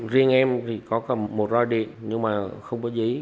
riêng em thì có cầm một roi điện nhưng mà không có giấy